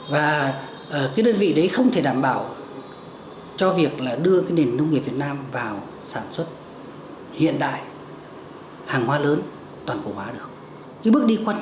và cái đơn vị đấy không thể đảm bảo cho việc đưa nền nông nghiệp việt nam vào sản xuất